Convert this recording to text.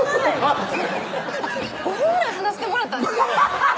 ５分ぐらい話してもらったんですよ